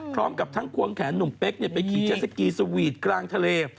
พร้อมกับทั้งควงแขนหนุ่มเป๊กไปขี่เจสสกีสวีทกลางทะเล